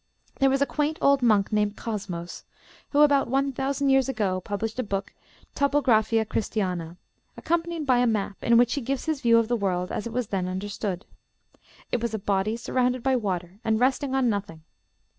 There was a quaint old monk named Cosmos, who, about one thousand years ago, published a book, "Topographia Christiana," accompanied by a map, in which he gives his view of the world as it was then understood. It was a body surrounded by water, and resting on nothing.